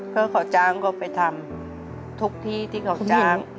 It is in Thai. เพราะเขาจ้างก็ไปทำทุกที่ที่เขาจ้าง